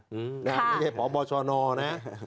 ไม่ใช่พบชนนะ